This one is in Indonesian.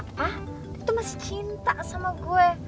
dia tuh masih cinta sama gue